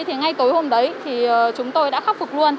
thì ngay tối hôm đấy thì chúng tôi đã khắc phục luôn